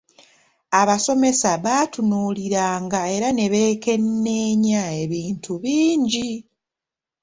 Abasomesa baatunuuliranga era ne beekenneenya ebintu bingi.